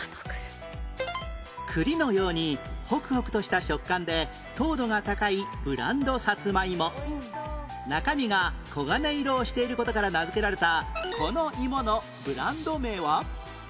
栗のようにホクホクとした食感で糖度が高いブランドさつまいも中身が黄金色をしている事から名付けられたこのいものブランド名は？